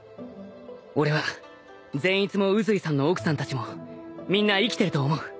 俺は善逸も宇髄さんの奥さんたちもみんな生きてると思う。